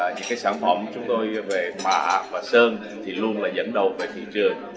những cái sản phẩm chúng tôi về mạ và sơn thì luôn là dẫn đầu về thị trường